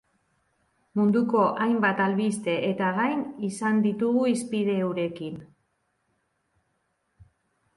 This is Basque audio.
Munduko hainbat albsite eta gai izan ditugu hizpide eurekin.